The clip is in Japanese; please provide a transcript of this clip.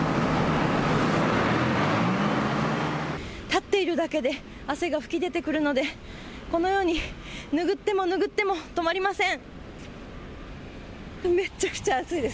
立ってるだけで汗が吹き出てくるのでこのように拭っても拭っても止まりません。